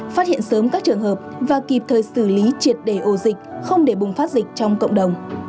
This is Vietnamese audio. phát hiện sớm các trường hợp và kịp thời xử lý triệt đề ổ dịch không để bùng phát dịch trong cộng đồng